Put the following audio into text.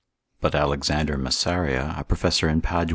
But Alexander Messaria a professor in Padua, lib.